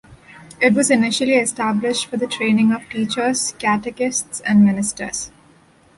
It was initially established for the training of teachers, catechists and ministers.